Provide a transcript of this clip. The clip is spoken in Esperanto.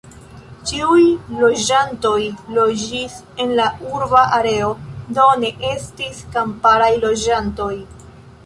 Ĉiuj loĝantoj loĝis en la urba areo, do, ne estis kamparaj loĝantoj.